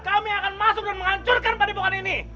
kalau kita keluar kami akan masuk dan menghancurkan pademokan ini